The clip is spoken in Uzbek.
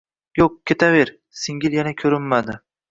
Yo‘q, ketaver… Singil yana ko‘rinmadi